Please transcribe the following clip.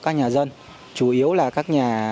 các nhà dân chủ yếu là các nhà